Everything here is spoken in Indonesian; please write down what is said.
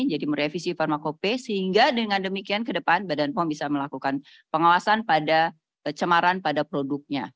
jadi merevisi pharmacope sehingga dengan demikian ke depan badan pom bisa melakukan pengawasan pada cemaran pada produknya